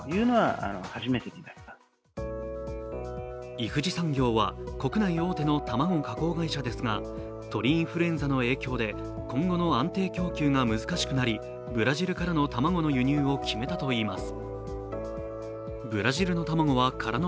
イフジ産業は国内大手の卵加工会社ですが鳥インフルエンザの影響で今後の安定供給が難しくなりブラジルからの卵の輸入を決めたといいます。